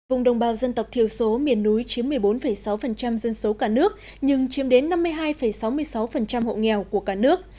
vùng đồng bào dân tộc thiểu số miền núi chiếm một mươi bốn sáu dân số cả nước nhưng chiếm đến năm mươi hai sáu mươi sáu hộ nghèo của cả nước